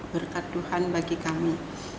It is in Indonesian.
berkat tuhan bagi kami